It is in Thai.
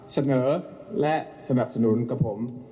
เสนอและสนับสนุนกับผม